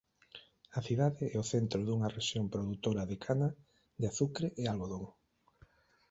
A cidade é o centro dunha rexión produtora de cana de azucre e algodón.